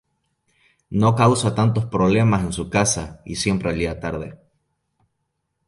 No causa tantos problemas en su casa y siempre llega tarde.